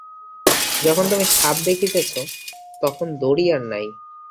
যখন তুমি সাপ দেখিতেছ, তখন দড়ি আর নাই।